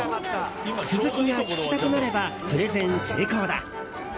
続きが聞きたくなればプレゼン成功だ。